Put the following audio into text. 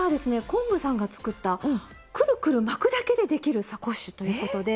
昆布さんが作ったくるくる巻くだけでできるサコッシュということで。